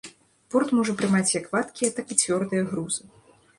Порт можа прымаць як вадкія, так і цвёрдыя грузы.